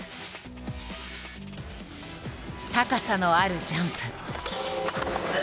高さのあるジャンプ。